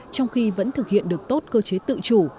trong khi vẫn thực hiện được tốt cơ chế tự chủ